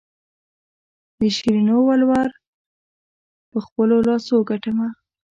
د شیرینو ولور په خپلو لاسو ګټمه.